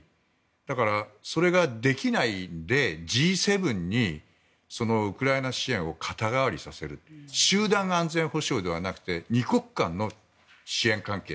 だから、それができないのでＧ７にウクライナ支援を肩代わりさせる集団安全保障ではなくて２国間の支援関係。